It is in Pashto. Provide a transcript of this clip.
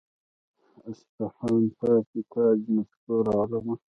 اصفهان پاتې تاج نسکور عالمه.